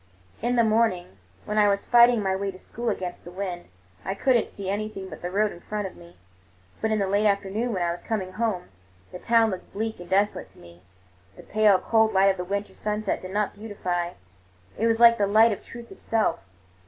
In the morning, when I was fighting my way to school against the wind, I could n't see anything but the road in front of me; but in the late afternoon, when I was coming home, the town looked bleak and desolate to me. The pale, cold light of the winter sunset did not beautify—it was like the light of truth itself.